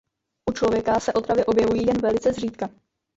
U člověka se otravy objevují jen velice zřídka.